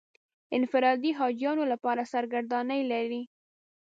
انفرادي حاجیانو لپاره سرګردانۍ لري.